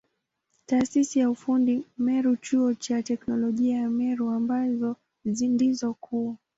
Taasisi ya ufundi Meru na Chuo cha Teknolojia ya Meru ambazo ndizo kuu.